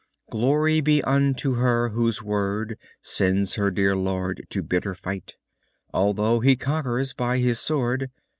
Glory be unto her whose word Sends her dear lord to bitter fight; Although he conquer by his sword.